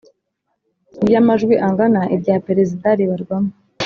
Iyo amajwi angana irya perezida ribarwamo